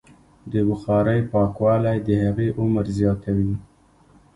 د بخارۍ پاکوالی د هغې عمر زیاتوي.